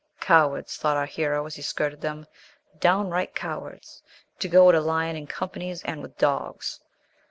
"Cowards!" thought our hero as he skirted them; "downright cowards, to go at a lion in companies and with dogs!"